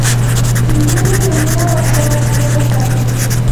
چې نجونې د مور او پلار زړه وساتي.